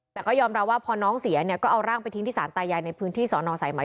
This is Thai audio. แต่ก็ยอมรับว่าพอน้องเสียเนี่ยก็เอาร่างไปทิ้งที่สารตายายในพื้นที่สอนอสายไหม